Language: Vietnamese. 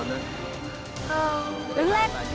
trẻ thơ đừng làm các thằng gì trên mặt nó